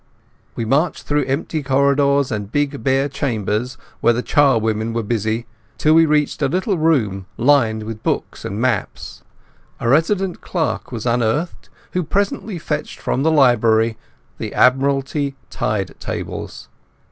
We marched through empty corridors and big bare chambers where the charwomen were busy, till we reached a little room lined with books and maps. A resident clerk was unearthed, who presently fetched from the library the Admiralty Tide Tables.